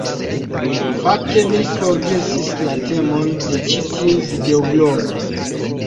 Fakte mi forgesis la temon de ĉi tiu videoblogo.